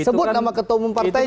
sebut nama ketua umum partai